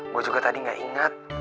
gue juga tadi gak ingat